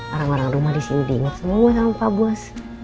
orang orang rumah disini diinget semua sama pak bos